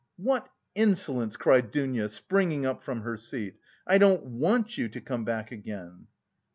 "What insolence!" cried Dounia, springing up from her seat. "I don't want you to come back again."